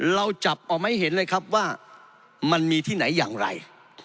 เราจับออกมาให้เห็นเลยครับว่ามันมีที่ไหนอย่างไร